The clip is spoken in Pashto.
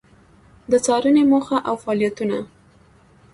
د څــارنـې موخـه او فعالیـتونـه: